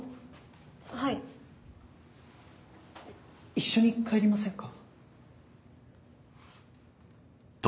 一緒に帰りませんか？